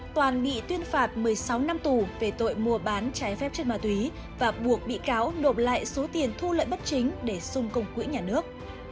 toàn bị tuyên phạt một mươi sáu năm tù về tội mua bán trái phép chất ma túy và buộc bị cáo nộp lại số tiền thu lợi bất chính để xung công quỹ nhà nước